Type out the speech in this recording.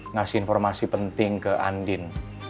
ngasih informasi penting ke andin